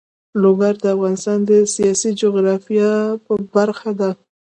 لوگر د افغانستان د سیاسي جغرافیه برخه ده.